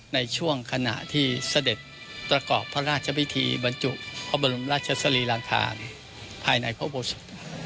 ในช่วงขณะที่เสด็จประกอบพระราชพิธีบรรจุพระบรมราชสรีรังคารภายในพระอุโบสถ